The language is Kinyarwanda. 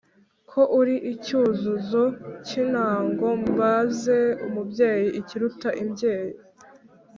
Ko uri icyuzuzo cy’intango. Mbaze umubyeyi ikiruta imbyeyi